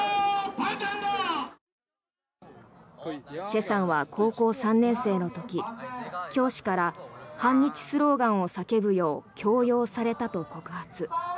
チェさんは高校３年生の時教師から反日スローガンを叫ぶよう強要されたと告発。